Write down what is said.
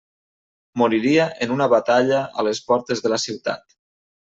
Moriria en una batalla a les portes de la ciutat.